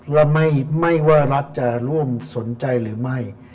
ว่าไม่ว่ารัฐจะร่วมสนใจหรือไม่